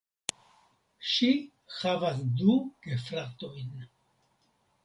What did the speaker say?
Ŝi havas du gefratojn.